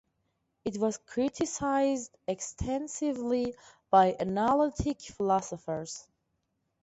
It was criticized extensively by analytic philosophers.